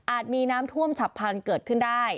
มีน้ำท่วมฉับพันธุ์เกิดขึ้นได้